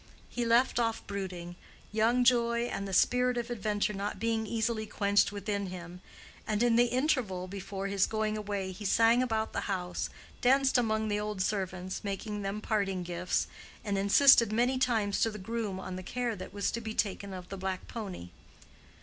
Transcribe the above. He left off brooding, young joy and the spirit of adventure not being easily quenched within him, and in the interval before his going away he sang about the house, danced among the old servants, making them parting gifts, and insisted many times to the groom on the care that was to be taken of the black pony.